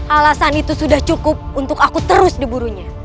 alasan itu sudah cukup untuk aku terus diburunya